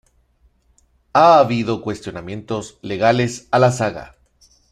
Ha habido cuestionamientos legales a la saga.